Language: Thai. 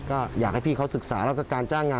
ก็อยากให้พี่เขาศึกษาแล้วก็การจ้างงาน